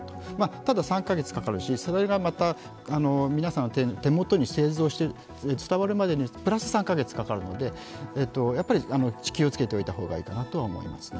ただ、３カ月かかるし、それがまた皆さんの手元に製造して伝わるまでにプラス３カ月かかるので気をつけておいたほうがいいかなと思います。